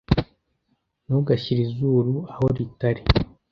Ntugashyire izuru aho ritari.